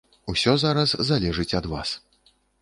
Усё зараз залежыць ад вас.